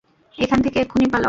এখান থেকে এক্ষুনি পালাও!